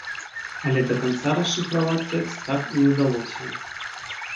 Але да канца расшыфраваць тэкст так і не ўдалося.